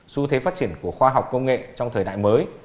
xu thế phát triển của khoa học công nghệ trong thời đại mới